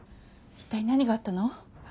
一体何があったの？